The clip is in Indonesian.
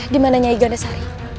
dimananya iga nesari